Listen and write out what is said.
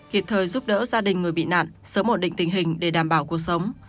kịp thời giúp đỡ gia đình người bị nạn sớm ổn định tình hình để đảm bảo cuộc sống